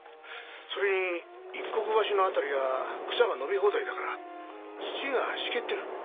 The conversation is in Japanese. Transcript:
それに一石橋の辺りは草が伸び放題だから土がしけってる。